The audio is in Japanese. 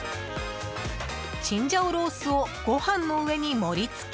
チンジャオロースをご飯の上に盛り付け